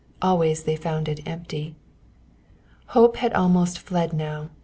Always they found it empty. Hope had almost fled now.